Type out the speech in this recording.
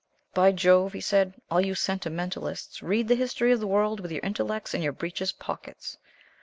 "By Jove," he said, "all you sentimentalists read the History of the World with your intellects in your breeches pockets.